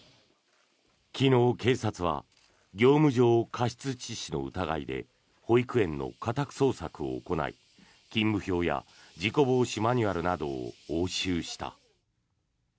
昨日、警察は業務上過失致死の疑いで保育園の家宅捜索を行い勤務表や事故防止マニュアルなどを押収した。